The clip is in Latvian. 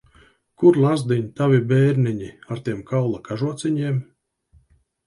Kur, lazdiņ, tavi bērniņi, ar tiem kaula kažociņiem?